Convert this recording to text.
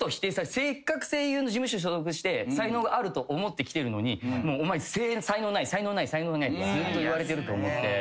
せっかく声優の事務所所属して才能があると思って来てるのに「お前才能ない」ってずっと言われてると思って。